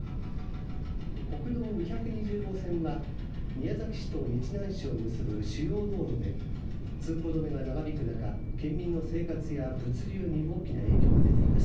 国道２２０号線は宮崎市と日南市を結ぶ主要道路で通行止めが長引く中県民の生活や物流に大きな影響が出ています。